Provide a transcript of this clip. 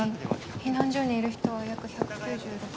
避難所にいる人は約１９６万人。